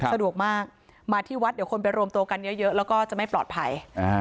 สะดวกมากมาที่วัดเดี๋ยวคนไปรวมตัวกันเยอะแล้วก็จะไม่ปลอดภัย